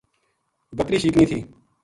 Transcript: بکری شیکنی تھی